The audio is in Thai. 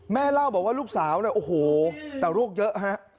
เล่าบอกว่าลูกสาวเนี่ยโอ้โหแต่ลูกเยอะฮะ